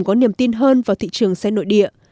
có niềm tin hơn vào thị trường xe nội địa